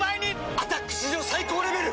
「アタック」史上最高レベル！